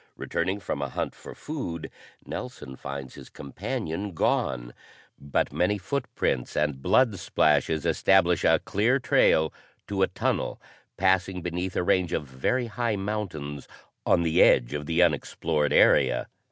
Returning from a hunt for food, Nelson finds his companion gone; but many footprints and blood splashes establish a clear trail to a tunnel, passing beneath a range of very high mountains on the edge of the unexplored area.